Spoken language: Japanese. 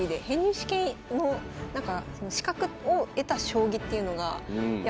試験の資格を得た将棋っていうのがいや